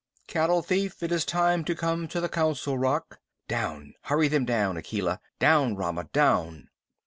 Cattle thief, it is time to come to the Council Rock! Down hurry them down, Akela! Down, Rama, down!"